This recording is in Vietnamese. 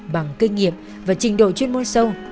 bằng kinh nghiệm và trình độ chuyên môn sâu